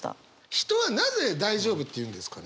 人はなぜ大丈夫って言うんですかね。